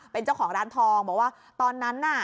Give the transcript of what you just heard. เป็นเจ้าของร้านทองบอกว่าตอนนั้นน่ะ